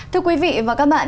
thưa quý vị và các bạn